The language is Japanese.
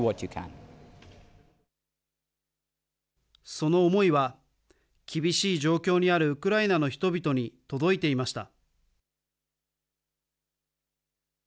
その思いは、厳しい状況にあるウクライナの人々に届いていました。